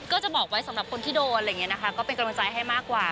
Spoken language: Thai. ก็จะบอกไว้สำหรับคนที่โดนเป็นกำลังใจให้มากกว่า